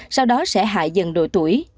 sau đó sẽ hại dần độ tuổi